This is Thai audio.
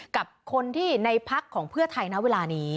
กับคนที่ในพักของเพื่อไทยนะเวลานี้